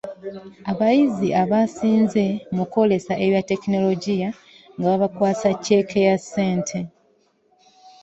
Abayizi abaasinze mu kwolesa ebya ttekinologiya nga babakwasa cceeke ya ssente.